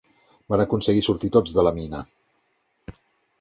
Van aconseguir sortir tots de la mina.